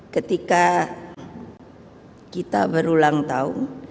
ketika kita berulang tahun